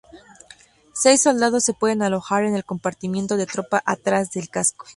Seis soldados se pueden alojar en el compartimiento de tropa atrás del casco.